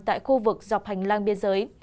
tại khu vực dọc hành lang biên giới